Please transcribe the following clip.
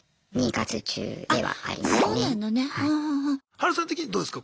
ハルさん的にどうですか？